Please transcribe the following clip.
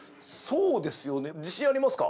そうですよね。